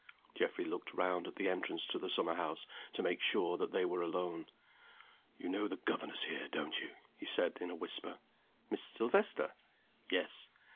Geoffrey looked round at the entrance to the summer house, to make sure that they were alone. "You know the governess here, don't you?" he said, in a whisper. "Miss Silvester?" "Yes.